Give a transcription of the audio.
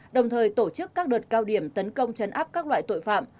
đồng thời tổ chức các đợt cao điểm tấn công chấn áp các loại tội phạm